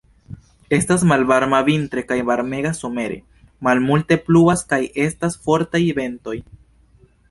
Estas malvarma vintre kaj varmega somere; malmulte pluvas kaj estas fortaj ventoj.